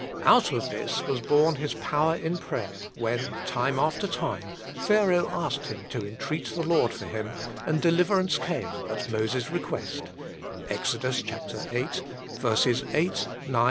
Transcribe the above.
Out of this was born his power in prayer when, time after time, Pharaoh asked him to entreat the Lord for him, and deliverance came at Moses' re quest (viii.